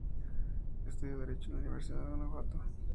Estudió Derecho en la Universidad de Guanajuato.